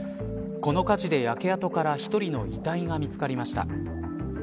この火事で焼け跡から１人の遺体が見つかりました。